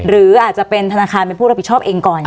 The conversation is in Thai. หรืออาจจะเป็นธนาคารเป็นผู้รับผิดชอบเองก่อน